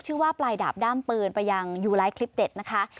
ชื่อว่าปลายดาบด้ามปืนไปยังยูไลท์คลิปเด็ดนะคะ